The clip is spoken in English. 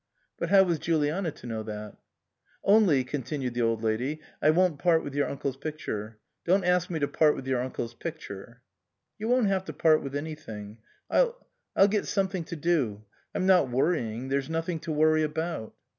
But how was Juliana to know that ?" Only," continued the Old Lady, " I won't part with your uncle's picture. Don't ask me to part with your uncle's picture." " You won't have to part with anything. I'll I'll get something to do. I'm not worrying. There's nothing to worry about."